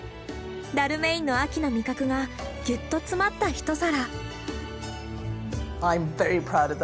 ダルメインの秋の味覚がぎゅっと詰まった一皿。